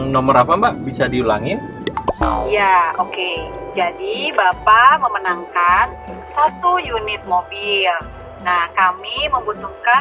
nomor apa mbak bisa diulangin ya oke jadi bapak memenangkan satu unit mobil nah kami membutuhkan